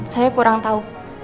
saya kurang tahu